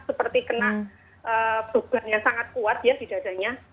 seperti kena beban yang sangat kuat ya di dadanya